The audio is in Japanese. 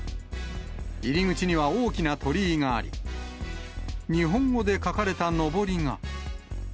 入り口には大きな鳥居があり、日本語で書かれたのぼりが。